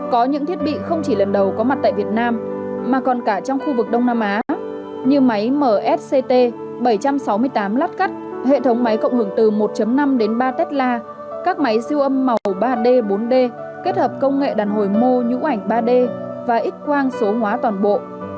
có những thiết bị không chỉ lần đầu có mặt tại việt nam mà còn cả trong khu vực đông nam á như máy msct bảy trăm sáu mươi tám lát cắt hệ thống máy cộng hưởng từ một năm đến ba tesla các máy siêu âm màu ba d bốn d kết hợp công nghệ đàn hồi mô nhũ ảnh ba d và x quang số hóa toàn bộ